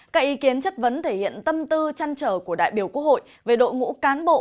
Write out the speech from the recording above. các ý kiến chất vấn thể hiện tâm tư chăn trở của đại biểu quốc hội về đội ngũ cán bộ